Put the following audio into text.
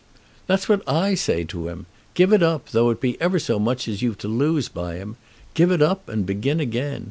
"That's what I say to him. Give it up, though it be ever so much as you've to lose by him. Give it up, and begin again.